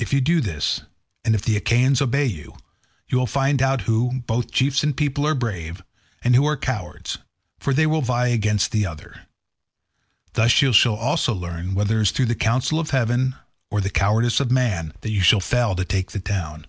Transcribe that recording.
If you do this, and if the Achaeans obey you, you will find out who, both chiefs and peoples, are brave, and who are cowards; for they will vie against the other. Thus you shall also learn whether it is through the counsel of heaven or the cowardice of man that you shall fail to take the town."